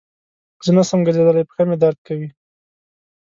زه نسم ګرځیدلای پښه مي درد کوی.